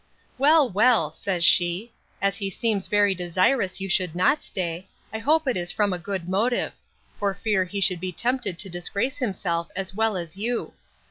Well, well, says she; as he seems very desirous you should not stay, I hope it is from a good motive; for fear he should be tempted to disgrace himself as well as you.